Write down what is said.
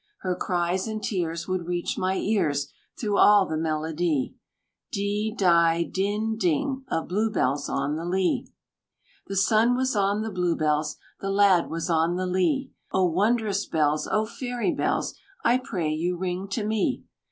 Her cries and tears Would reach my ears Through all the melody D! DI! DIN! DING! Of Blue bells on the lea." The sun was on the Blue bells, The lad was on the lea. "Oh, wondrous bells! Oh, fairy bells! I pray you ring to me.